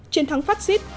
chiến thắng phát xít